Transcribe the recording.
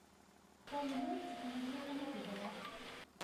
خو له نورو څخه مې کرکه نه کېدله.